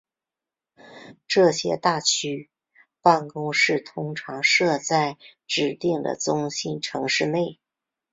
这些大区办公室通常设在指定的中心城市内。